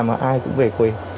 đến khi nào mà ai cũng về quê